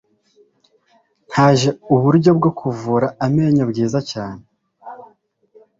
Haje uburyo bwo kuvura amenyo bwiza cyane